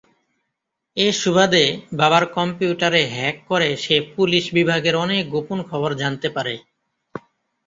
এ সুবাদে বাবার কম্পিউটারে হ্যাক করে সে পুলিশ বিভাগের অনেক গোপন খবর জানতে পারে।